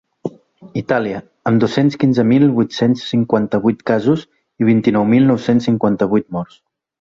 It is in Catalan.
Itàlia, amb dos-cents quinze mil vuit-cents cinquanta-vuit casos i vint-i-nou mil nou-cents cinquanta-vuit morts.